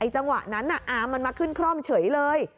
จังหวะนั้นอามันมาขึ้นคร่อมเฉยเลย